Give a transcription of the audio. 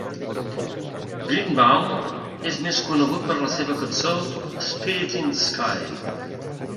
Greenbaum és més conegut per la seva cançó "Spirit in the Sky".